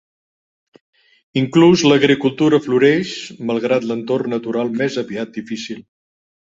Inclús l'agricultura floreix malgrat l'entorn natural més aviat difícil.